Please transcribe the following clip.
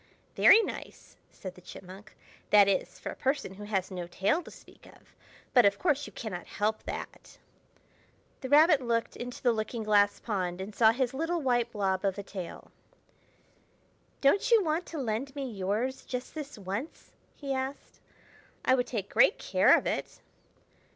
"Very nice!" said the Chipmunk; "that is, for a person who has no tail to speak of. But, of course, you cannot help that." The Rabbit looked into the looking glass pond and saw his little white blob of a tail. "Don't you want to lend me yours, just this once?" he asked. "I would take great care of it!"